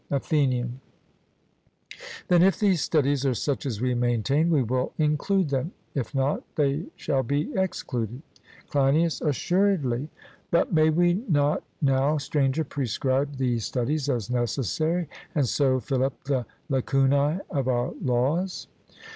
ATHENIAN: Then if these studies are such as we maintain, we will include them; if not, they shall be excluded. CLEINIAS: Assuredly: but may we not now, Stranger, prescribe these studies as necessary, and so fill up the lacunae of our laws?